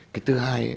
cái thứ hai